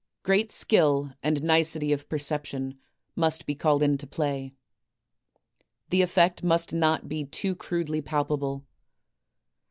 Great skill and nicety of perception must be called into play. The effect must not be too crudely palpable.